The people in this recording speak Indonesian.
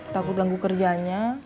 takut ganggu kerjanya